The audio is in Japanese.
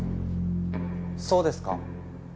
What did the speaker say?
そうですか？